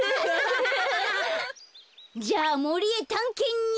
じゃあもりへたんけんに。